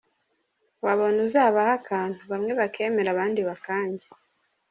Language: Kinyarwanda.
Wabona uzabaha akantu, bamwe bakemere abandi bakange.